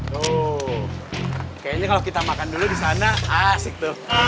tuh kayaknya kalau kita makan dulu di sana asik tuh